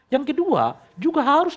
yang kedua juga harus